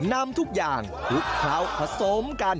นำทุกอย่างทุกครั้วผสมกัน